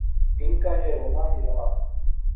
ان کا یہ رونا ہی رہا۔